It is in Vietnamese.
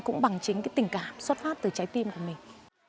cũng bằng chính cái tình cảm xuất phát từ trái tim của mình